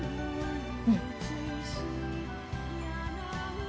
うん。